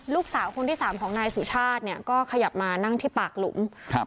ลูกสาวคนที่สามของนายสุชาติเนี่ยก็ขยับมานั่งที่ปากหลุมครับ